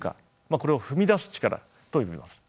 これを踏みだす力と呼びます。